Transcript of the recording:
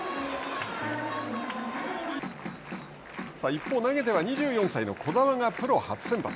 一方投げては２４歳の小澤がプロ初先発。